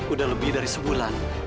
udah lebih dari sebulan